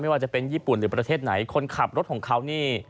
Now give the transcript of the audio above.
ว่าจะเป็นญี่ปุ่นหรือประเทศไหนคนขับรถของเขานี่